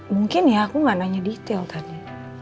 mungkin ya aku nggak nanya detail tadi